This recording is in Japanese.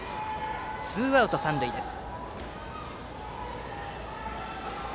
ツーアウト、三塁です。